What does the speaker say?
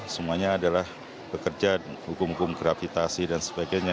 semuanya adalah bekerja hukum hukum gravitasi dan sebagainya